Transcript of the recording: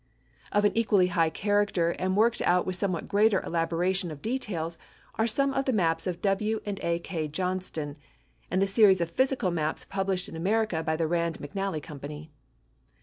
Of an equally high character and worked out with somewhat greater elaboration of details are some of the maps of W. & A. K. Johnston, and the series of physical maps published in America by the Rand McNally Company.